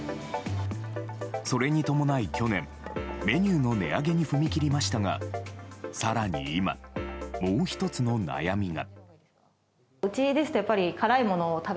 それに伴い去年メニューの値上げに踏み切りましたが更に今、もう１つの悩みが。